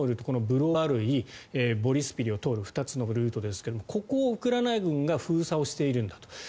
このブロバルイボリスピリを通る２つのルートですがここをウクライナ軍が封鎖しているんだと。